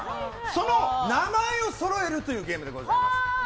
その名前をそろえるというゲームでございます。